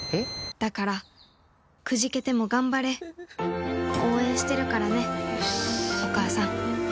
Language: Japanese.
だからくじけても頑張れうぅ応援してるからねお母さんよし。